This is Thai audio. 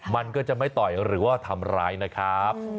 มันก็จะไม่ต่อยหรือว่าทำร้ายนะครับ